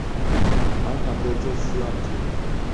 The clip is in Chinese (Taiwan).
南韓的這次案件